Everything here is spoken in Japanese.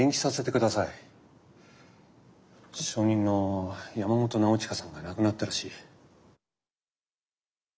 証人の山本尚親さんが亡くなったらしい。